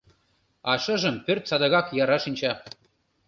А шыжым пӧрт садыгак яра шинча.